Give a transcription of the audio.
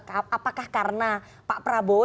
apakah karena pak prabowo